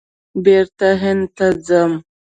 بېرته هند ته ځم !